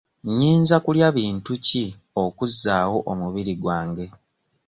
Nnyinza kulya bintu ki okuzzaawo omubiri gwange?